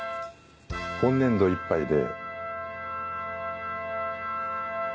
本年度いっぱいで。